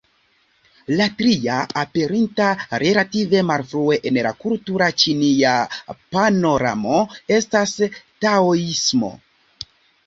La tria, aperinta relative malfrue en la kultura ĉinia panoramo, estas Taoismo.